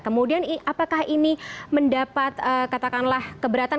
kemudian apakah ini mendapat katakanlah keberatan